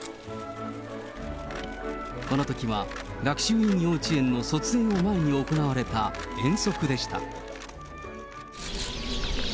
このときは、学習院幼稚園の卒園を前に行われた遠足でした。